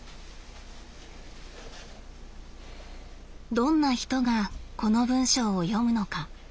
どんな人がこの文章を読むのか？